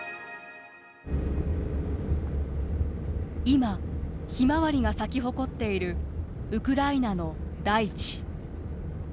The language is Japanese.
今ひまわりが咲き誇っているウクライナの大地。